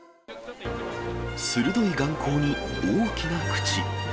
鋭い眼光に、大きな口。